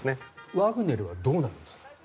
ワグネルはどうなるんですか。